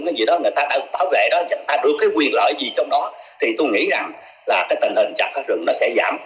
người ta bảo vệ đó người ta được cái quyền lợi gì trong đó thì tôi nghĩ rằng là cái tình hình chặt phá rừng nó sẽ giảm